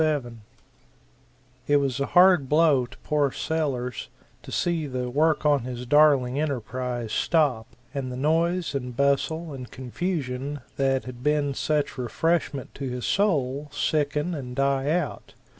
It was a hard blow to poor Sellers to see the work on his darling enterprise stop, and the noise and bustle and confusion that had been such refreshment to his soul, sicken and die out.